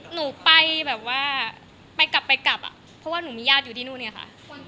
หนูไปแบบว่าไปกลับไปกลับอ่ะเพราะว่าหนูมีญาติอยู่ที่นู่นไงค่ะ